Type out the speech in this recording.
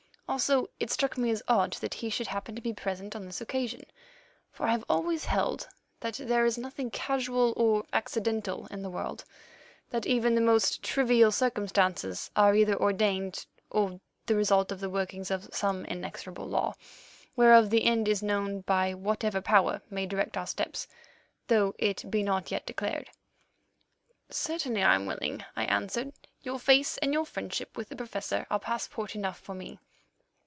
Also it struck me as odd that he should happen to be present on this occasion, for I have always held that there is nothing casual or accidental in the world; that even the most trivial circumstances are either ordained, or the result of the workings of some inexorable law whereof the end is known by whatever power may direct our steps, though it be not yet declared. "Certainly I am willing," I answered; "your face and your friendship with the Professor are passport enough for me.